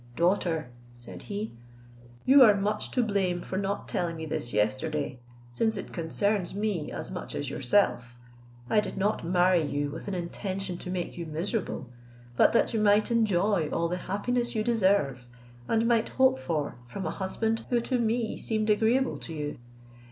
"Daughter," said he, "you are much to blame for not telling me this yesterday, since it concerns me as much as yourself. I did not marry you with an intention to make you miserable, but that you might enjoy all the happiness you deserve and might hope for from a husband who to me seemed agreeable to you.